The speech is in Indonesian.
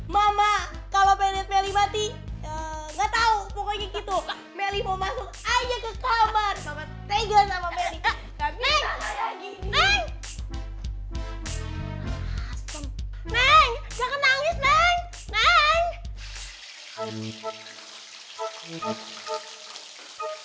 mama kalo pengen liat melih mati gak tau pokoknya gitu melih mau masuk aja ke kamar